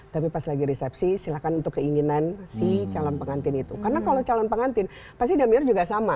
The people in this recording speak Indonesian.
tapi pas lagi resepsi silakan untuk keinginan si calon pengantin itu karena kalau calon pengantin pasti damir juga sama